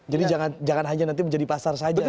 jadi jangan hanya nanti menjadi pasar saja gitu